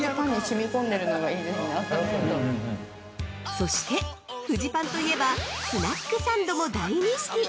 ◆そして、フジパンといえば「スナックサンド」も大人気！